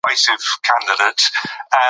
ده خپل موبایل په جیب کې کېښود.